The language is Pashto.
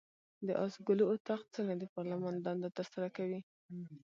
د آس ګلو اطاق څنګه د پارلمان دنده ترسره کوي؟